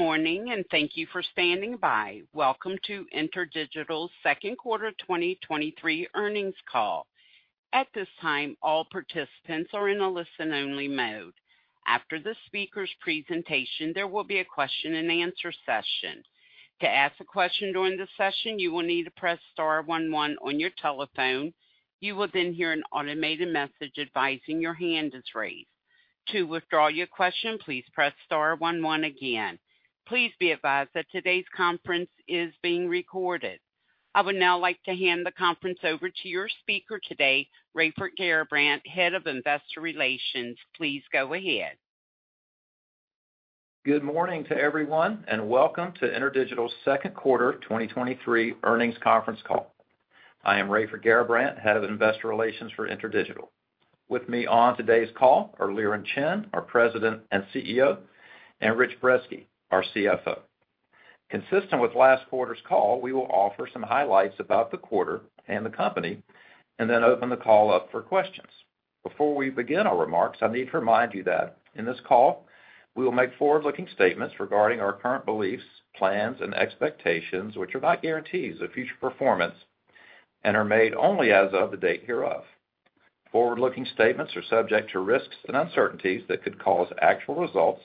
Good morning, thank you for standing by. Welcome to InterDigital's second quarter 2023 earnings call. At this time, all participants are in a listen-only mode. After the speaker's presentation, there will be a question-and-answer session. To ask a question during the session, you will need to press star 11 on your telephone. You will then hear an automated message advising your hand is raised. To withdraw your question, please press star 11 again. Please be advised that today's conference is being recorded. I would now like to hand the conference over to your speaker today, Raiford Garrabrant, Head of Investor Relations. Please go ahead. Good morning to everyone, welcome to InterDigital's second quarter 2023 earnings conference call. I am Raiford Garrabrant, Head of Investor Relations for InterDigital. With me on today's call are Liren Chen, our President and CEO, and Richard Brezski, our CFO. Consistent with last quarter's call, we will offer some highlights about the quarter and the company, and then open the call up for questions. Before we begin our remarks, I need to remind you that in this call, we will make forward-looking statements regarding our current beliefs, plans, and expectations, which are not guarantees of future performance and are made only as of the date hereof. Forward-looking statements are subject to risks and uncertainties that could cause actual results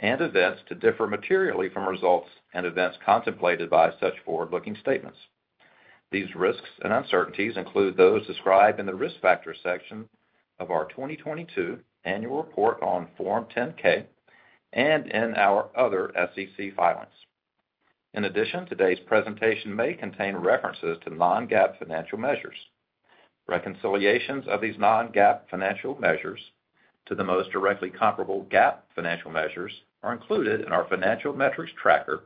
and events to differ materially from results and events contemplated by such forward-looking statements. These risks and uncertainties include those described in the Risk Factors section of our 2022 Annual Report on Form 10-K and in our other SEC filings. In addition, today's presentation may contain references to non-GAAP financial measures. Reconciliations of these non-GAAP financial measures to the most directly comparable GAAP financial measures are included in our financial metrics tracker,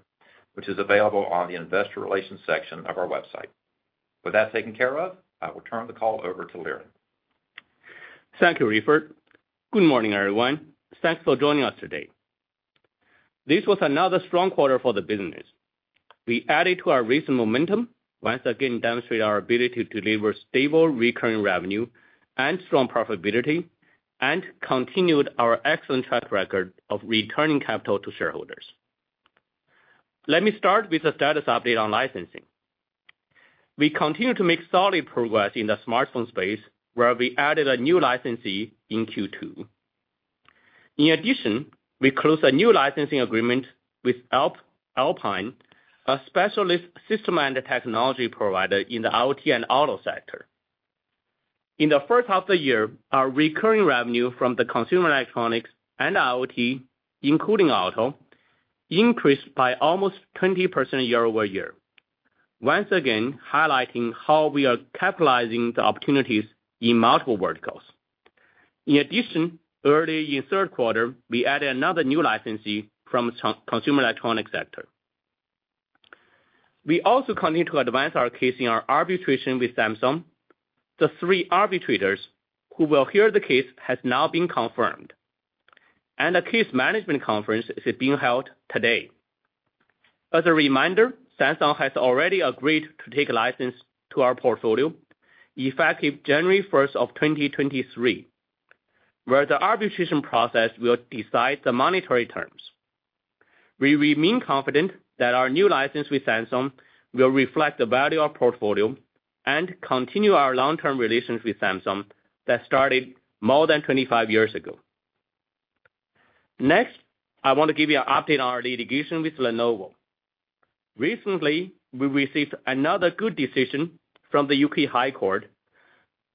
which is available on the investor relations section of our website. With that taken care of, I will turn the call over to Liren. Thank you, Raiford. Good morning, everyone. Thanks for joining us today. This was another strong quarter for the business. We added to our recent momentum, once again demonstrating our ability to deliver stable, recurring revenue and strong profitability, and continued our excellent track record of returning capital to shareholders. Let me start with a status update on licensing. We continue to make solid progress in the smartphone space, where we added a new licensee in Q2. In addition, we closed a new licensing agreement with Alps Alpine, a specialist system and technology provider in the IoT and auto sector. In the first half of the year, our recurring revenue from the consumer electronics and IoT, including auto, increased by almost 20% year-over-year, once again highlighting how we are capitalizing the opportunities in multiple verticals. In addition, early in the third quarter, we added another new licensee from the consumer electronics sector. We also continue to advance our case in our arbitration with Samsung. The 3 arbitrators who will hear the case has now been confirmed, and a case management conference is being held today. As a reminder, Samsung has already agreed to take a license to our portfolio, effective January 1, 2023, where the arbitration process will decide the monetary terms. We remain confident that our new license with Samsung will reflect the value of portfolio and continue our long-term relations with Samsung that started more than 25 years ago. Next, I want to give you an update on our litigation with Lenovo. Recently, we received another good decision from the UK High Court,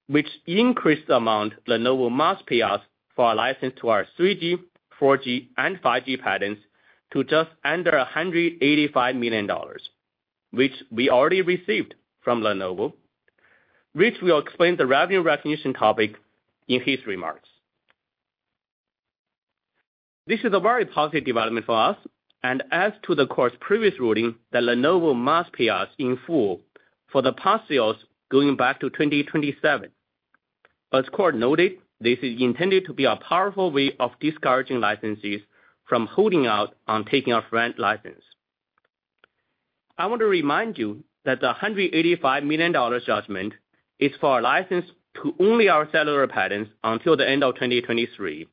which increased the amount Lenovo must pay us for a license to our 3G, 4G, and 5G patents to just under $185,000,000, which we already received from Lenovo. Rich will explain the revenue recognition topic in his remarks. This is a very positive development for us, and adds to the court's previous ruling that Lenovo must pay us in full for the past sales going back to 2007. As court noted, this is intended to be a powerful way of discouraging licensees from holding out on taking a FRAND license. I want to remind you that the $185,000,000 judgment is for a license to only our cellular patents until the end of 2023.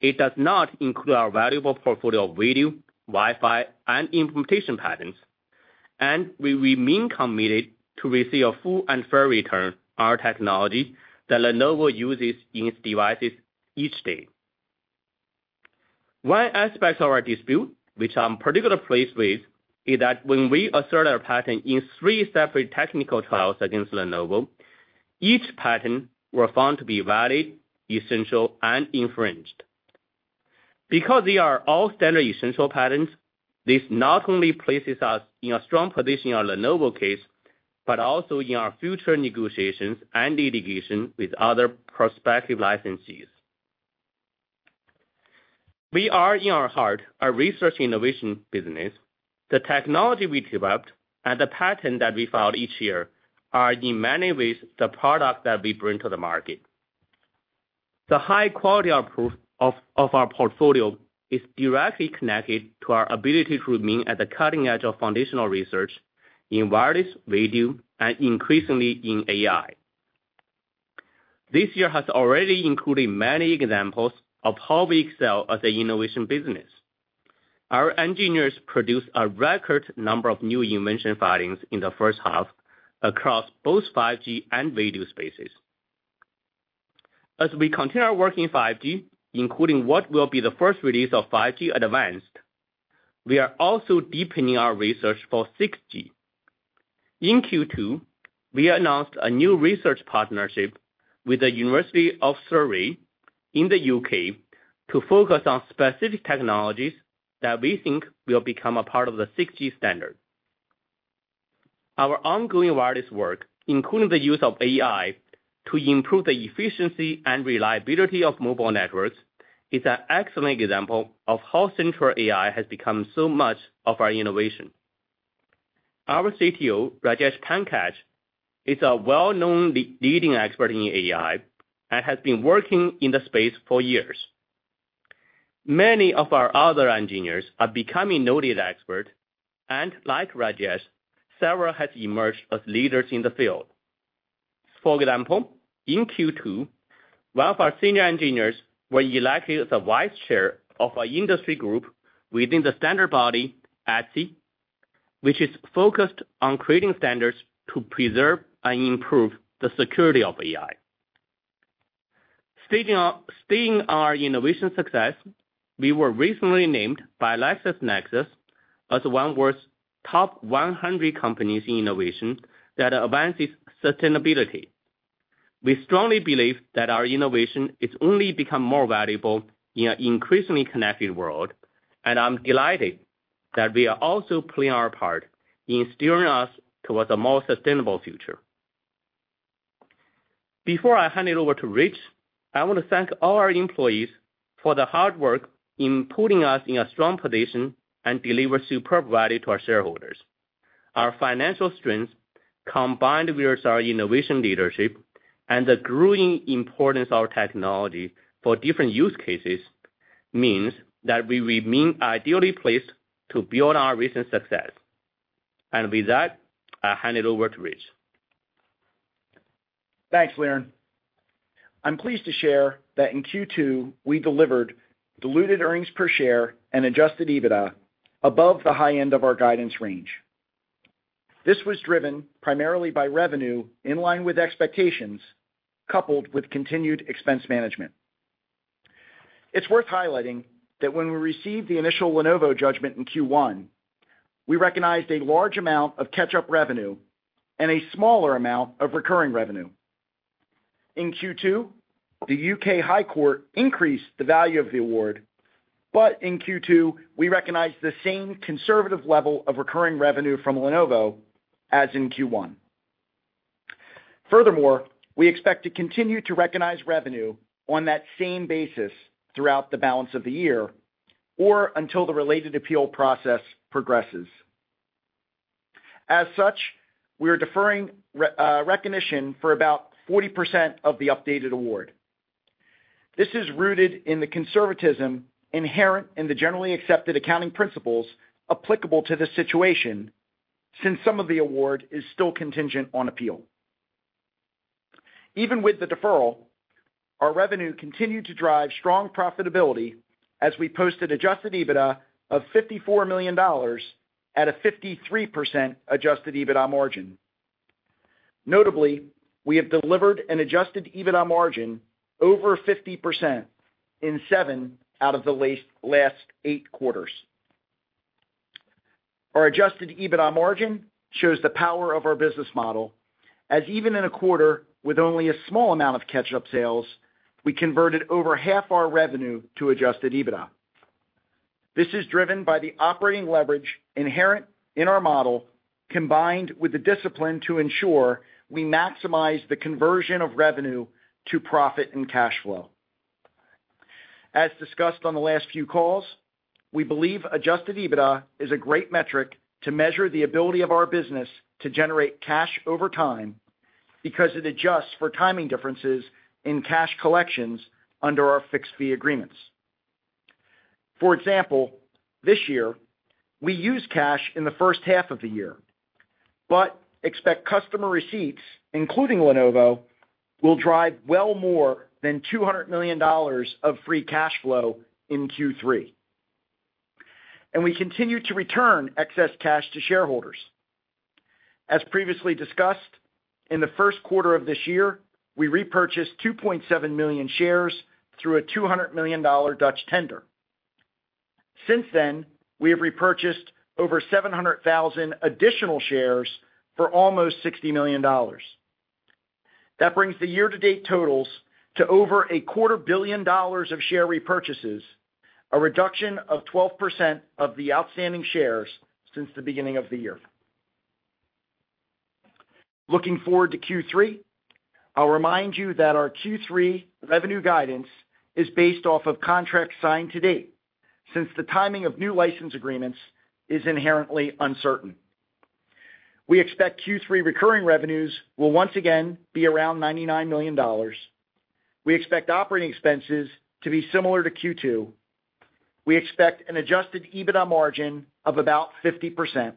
It does not include our valuable portfolio of radio, Wi-Fi, and implementation patents. We remain committed to receive a full and fair return on our technology that Lenovo uses in its devices each day. One aspect of our dispute, which I'm particularly pleased with, is that when we assert our patent in three separate technical trials against Lenovo, each patent were found to be valid, essential, and infringed. Because they are all standard-essential patents, this not only places us in a strong position on Lenovo case, but also in our future negotiations and litigation with other prospective licensees. We are, in our heart, a research innovation business. The technology we developed and the patent that we file each year are, in many ways, the product that we bring to the market. The high quality of proof of our portfolio is directly connected to our ability to remain at the cutting edge of foundational research in wireless, radio, and increasingly in AI. This year has already included many examples of how we excel as an innovation business. Our engineers produced a record number of new invention filings in the first half across both 5G and radio spaces. As we continue our work in 5G, including what will be the first release of 5G-Advanced, we are also deepening our research for 6G. In Q2, we announced a new research partnership with the University of Surrey in the UK to focus on specific technologies that we think will become a part of the 6G standard. Our ongoing wireless work, including the use of AI to improve the efficiency and reliability of mobile networks, is an excellent example of how central AI has become so much of our innovation. Our CTO, Rajesh Pankaj, is a well-known leading expert in AI and has been working in the space for years. Many of our other engineers are becoming noted experts, and like Rajesh, several have emerged as leaders in the field. For example, in Q2, one of our senior engineers was elected as a Vice Chair of an industry group within the standards body ETSI, which is focused on creating standards to preserve and improve the security of AI. Staying on our innovation success, we were recently named by LexisNexis as one world's top 100 companies in innovation that advances sustainability. We strongly believe that our innovation is only become more valuable in an increasingly connected world, and I'm delighted that we are also playing our part in steering us towards a more sustainable future. Before I hand it over to Rich, I want to thank all our employees for the hard work in putting us in a strong position and deliver superb value to our shareholders. Our financial strength, combined with our innovation leadership and the growing importance of technology for different use cases, means that we remain ideally placed to build on our recent success. With that, I hand it over to Rich. Thanks, Liren. I'm pleased to share that in Q2, we delivered diluted earnings per share and adjusted EBITDA above the high end of our guidance range. This was driven primarily by revenue in line with expectations, coupled with continued expense management. It's worth highlighting that when we received the initial Lenovo judgment in Q1, we recognized a large amount of catch-up revenue and a smaller amount of recurring revenue. In Q2, the UK High Court increased the value of the award, but in Q2, we recognized the same conservative level of recurring revenue from Lenovo as in Q1. Furthermore, we expect to continue to recognize revenue on that same basis throughout the balance of the year or until the related appeal process progresses. As such, we are deferring recognition for about 40% of the updated award. This is rooted in the conservatism inherent in the generally accepted accounting principles applicable to this situation, since some of the award is still contingent on appeal. Even with the deferral, our revenue continued to drive strong profitability as we posted adjusted EBITDA of $54,000,000 at a 53% adjusted EBITDA margin. Notably, we have delivered an adjusted EBITDA margin over 50% in seven out of the last eight quarters. Our adjusted EBITDA margin shows the power of our business model, as even in a quarter with only a small amount of catch-up sales, we converted over half our revenue to adjusted EBITDA. This is driven by the operating leverage inherent in our model, combined with the discipline to ensure we maximize the conversion of revenue to profit and cash flow. As discussed on the last few calls, we believe adjusted EBITDA is a great metric to measure the ability of our business to generate cash over time, because it adjusts for timing differences in cash collections under our fixed fee agreements. For example, this year, we used cash in the first half of the year, but expect customer receipts, including Lenovo, will drive well more than $200,000,000 of free cash flow in Q3. We continue to return excess cash to shareholders. As previously discussed, in the first quarter of this year, we repurchased 2,700,000 shares through a $200,000,000 Dutch tender. Since then, we have repurchased over 700,000 additional shares for almost $60,000,000. That brings the year-to-date totals to over $250,000,000 of share repurchases, a reduction of 12% of the outstanding shares since the beginning of the year. Looking forward to Q3, I'll remind you that our Q3 revenue guidance is based off of contracts signed to date, since the timing of new license agreements is inherently uncertain. We expect Q3 recurring revenues will once again be around $99,000,000. We expect operating expenses to be similar to Q2. We expect an adjusted EBITDA margin of about 50%.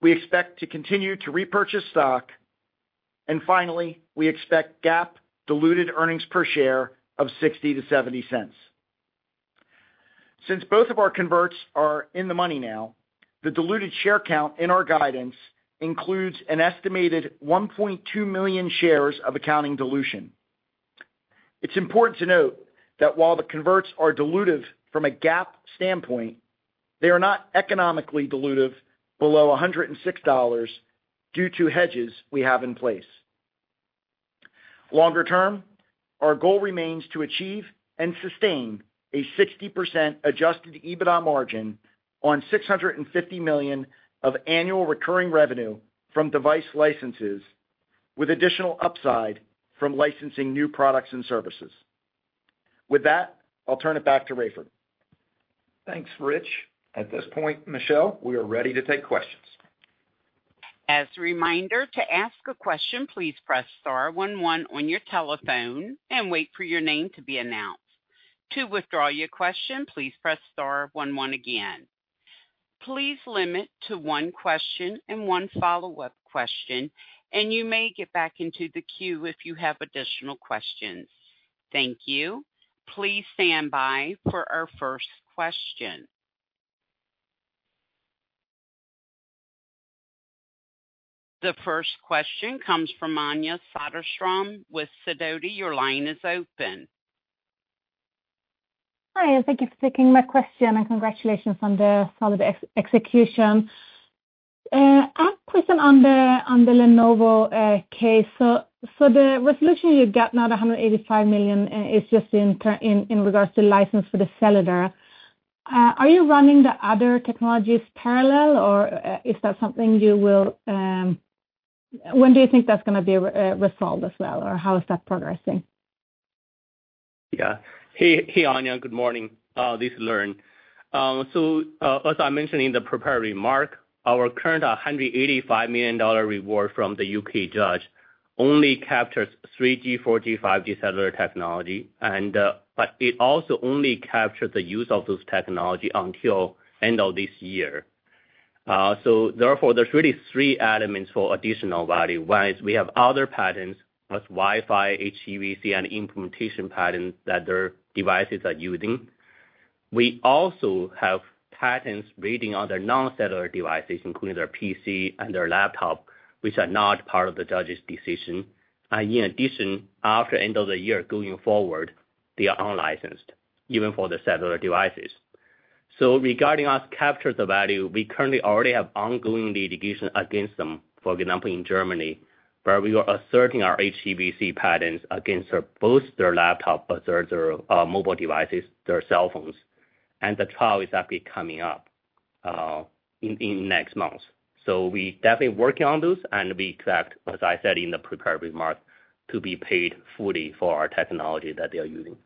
We expect to continue to repurchase stock. Finally, we expect GAAP diluted earnings per share of $0.60 to $0.70. Since both of our converts are in the money now, the diluted share count in our guidance includes an estimated 1,200,000 shares of accounting dilution. It's important to note that while the converts are dilutive from a GAAP standpoint, they are not economically dilutive below $106 due to hedges we have in place. Longer term, our goal remains to achieve and sustain a 60% adjusted EBITDA margin on $650,000,000 of annual recurring revenue from device licenses, with additional upside from licensing new products and services. I'll turn it back to Rayford. Thanks, Rich. At this point, Michelle, we are ready to take questions. As a reminder, to ask a question, please press star one one on your telephone and wait for your name to be announced. To withdraw your question, please press star one one again. Please limit to one question and one follow-up question, and you may get back into the queue if you have additional questions. Thank you. Please stand by for our first question. The first question comes from Anja Soderstrom with Sidoti. Your line is open. Hi, thank you for taking my question. Congratulations on the solid execution. I have a question on the Lenovo case. The resolution you've got now, the $185,000,000, is just in regards to license for the cellular. Are you running the other technologies parallel, or is that something you will... When do you think that's gonna be resolved as well, or how is that progressing? Yeah. Hey, hey, Anja, good morning. This is Liren. As I mentioned in the prepared remark, our current $185,000,000 reward from the UK judge only captures 3G, 4G, 5G cellular technology, it also only captures the use of those technology until end of this year. Therefore, there's really 3 elements for additional value. One is we have other patents, plus Wi-Fi, HEVC, and implementation patents that their devices are using. We also have patents reading on their non-cellular devices, including their PC and their laptop, which are not part of the judge's decision. In addition, after end of the year, going forward, they are unlicensed, even for the cellular devices. Regarding us capture the value, we currently already have ongoing litigation against them. For example, in Germany, where we are asserting our HEVC patents against, both their laptop, but their, their, mobile devices, their cell phones, and the trial is actually coming up, in next month. We're definitely working on those, and we expect, as I said in the prepared remark, to be paid fully for our technology that they are using.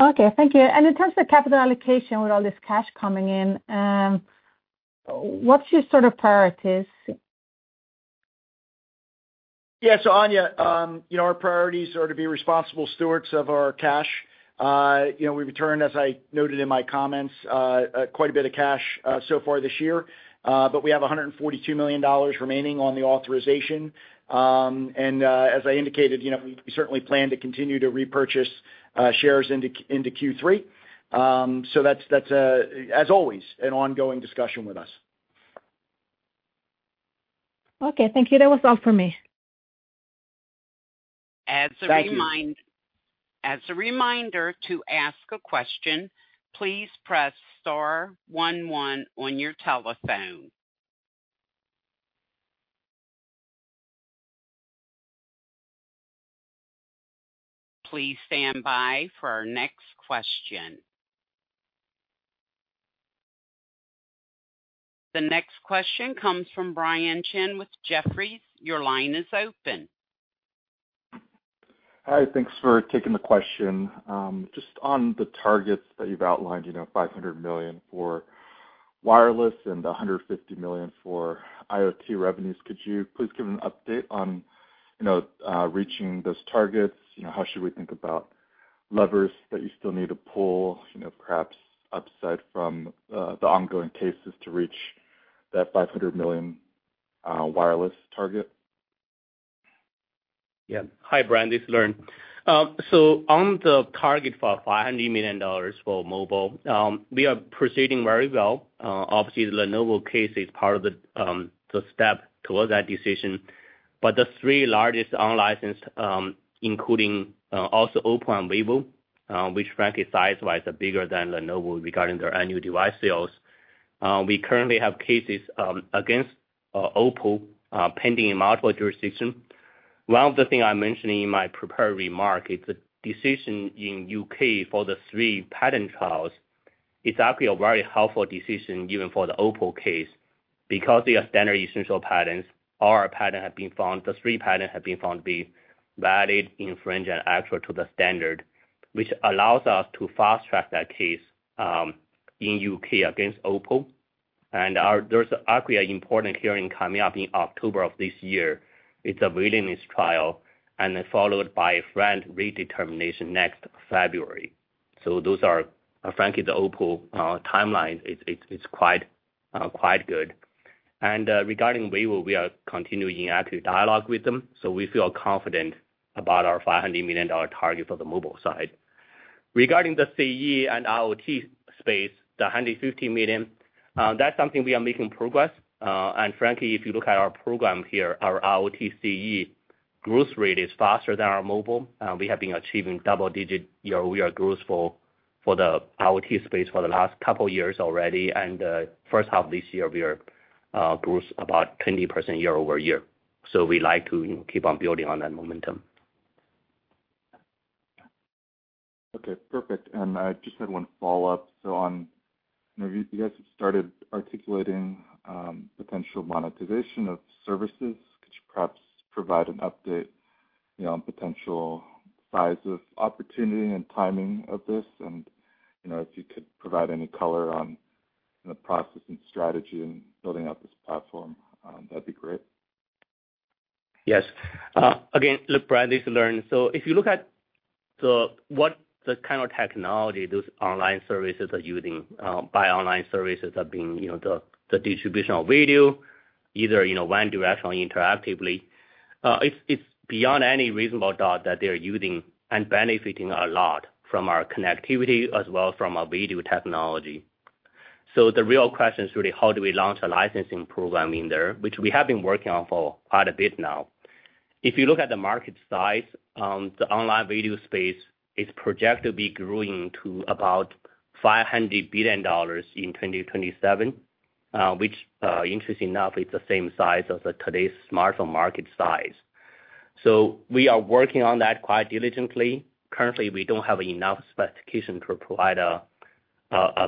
Okay, thank you. In terms of the capital allocation, with all this cash coming in, what's your sort of priorities? Yeah. Anja, you know, our priorities are to be responsible stewards of our cash. You know, we returned, as I noted in my comments, quite a bit of cash, so far this year, but we have $142,000,000 remaining on the authorization. As I indicated, you know, we certainly plan to continue to repurchase shares into Q3. That's, that's, as always, an ongoing discussion with us. Okay, thank you. That was all for me. Thank you. As a reminder, to ask a question, please press star one one on your telephone. Please stand by for our next question. The next question comes from Brian Balchin with Jefferies. Your line is open. Hi, thanks for taking the question. Just on the targets that you've outlined, you know, $500,000,000 for wireless and $150,000,000 for IoT revenues, could you please give an update on, you know, reaching those targets? You know, how should we think about levers that you still need to pull, you know, perhaps upside from the ongoing cases to reach that $500,000,000 wireless target? Yeah. Hi, Brian, this is Liren. On the target for $500,000,000 for mobile, we are proceeding very well. Obviously, the Lenovo case is part of the step towards that decision. The three largest unlicensed, including also OPPO and Vivo, which frankly, size-wise, are bigger than Lenovo regarding their annual device sales. We currently have cases against OPPO pending in multiple jurisdictions. One of the things I'm mentioning in my prepared remark, it's a decision in UK for the three patent trials. It's actually a very helpful decision, even for the OPPO case, because they are standard-essential patents. The three patents have been found to be valid, infringement, actual to the standard, which allows us to fast-track that case in UK against OPPO. There's actually an important hearing coming up in October of this year. It's a willingness trial, followed by a FRAND rate determination next February. Those are, frankly, the Oppo timeline, it's quite good. Regarding Huawei, we are continuing active dialogue with them, so we feel confident about our $500,000,000 target for the mobile side. Regarding the CE and IoT space, the $150,000,000, that's something we are making progress. Frankly, if you look at our program here, our IoT CE growth rate is faster than our mobile. We have been achieving double-digit year-over-year growth for the IoT space for the last couple years already, and first half this year, we are growth about 20% year-over-year. We like to keep on building on that momentum. Okay, perfect. I just had one follow-up. On, you know, you guys have started articulating, potential monetization of services. Could you perhaps provide an update, you know, on potential size of opportunity and timing of this? You know, if you could provide any color on the process and strategy in building out this platform, that'd be great. Yes. Again, look, Brian, this is Liren. If you look at the-- what the kind of technology those online services are using, by online services are being, you know, the, the distribution of video, either, you know, one directionally, interactively, it's, it's beyond any reasonable doubt that they are using and benefiting a lot from our connectivity as well from our video technology. The real question is really how do we launch a licensing program in there, which we have been working on for quite a bit now. If you look at the market size, the online video space is projected to be growing to about $500,000,000,000 in 2027, which, interesting enough, is the same size as today's smartphone market size. We are working on that quite diligently. Currently, we don't have enough specification to provide a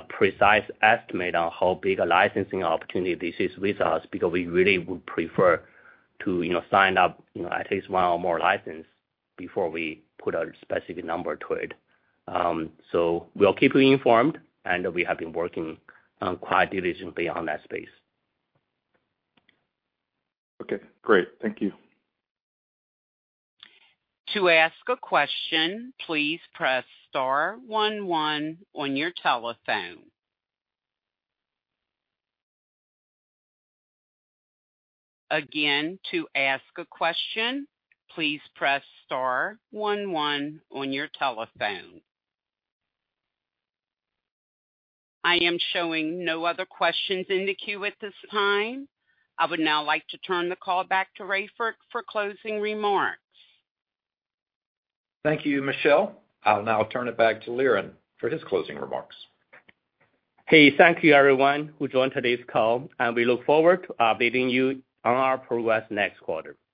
precise estimate on how big a licensing opportunity this is with us, because we really would prefer to, you know, sign up, you know, at least one or more license before we put a specific number to it. We'll keep you informed, and we have been working quite diligently on that space. Okay, great. Thank you. To ask a question, please press star one one on your telephone. Again, to ask a question, please press star one one on your telephone. I am showing no other questions in the queue at this time. I would now like to turn the call back to Raiford, for closing remarks. Thank you, Michelle. I'll now turn it back to Liren for his closing remarks. Hey, thank you everyone who joined today's call, and we look forward to updating you on our progress next quarter.